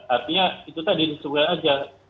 artinya itu tadi semuanya saja